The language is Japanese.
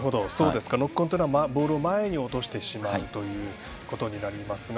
ノックオンというのはボールを前に落としてしまうことになりますが。